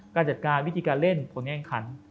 การจัดการวิธีการเล่นผลแข่งขัน